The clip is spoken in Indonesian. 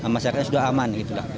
masyarakat sudah aman